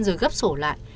rồi gấp sổ lại